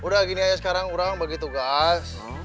udah gini aja sekarang orang bagi tugas